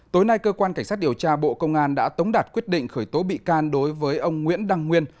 tối nay cơ quan cảnh sát điều tra bộ công an đã tống đạt quyết định khởi tố bị can đối với ông nguyễn đăng nguyên